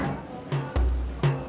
kita bisa kembali ke rumah